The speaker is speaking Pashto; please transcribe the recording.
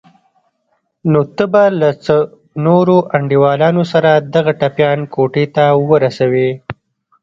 نو ته به له څو نورو انډيوالانو سره دغه ټپيان کوټې ته ورسوې.